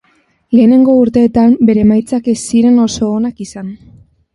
Lehenengo urteetan, bere emaitzak ez ziren oso onak izan.